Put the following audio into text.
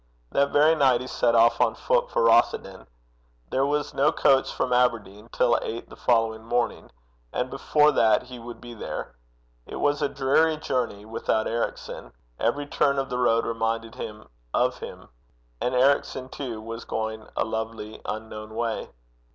That very night he set off on foot for Rothieden. There was no coach from Aberdeen till eight the following morning, and before that he would be there. It was a dreary journey without Ericson. Every turn of the road reminded him of him. And Ericson too was going a lonely unknown way.